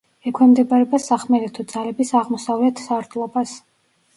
ექვემდებარება სახმელეთო ძალების აღმოსავლეთ სარდლობას.